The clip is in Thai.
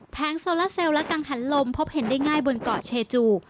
โซลาเซลและกังหันลมพบเห็นได้ง่ายบนเกาะเชจู